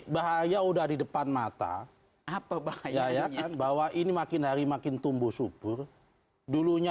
bahaya udah di depan mata apa bahaya ya kan bahwa ini makin hari makin tumbuh subur dulunya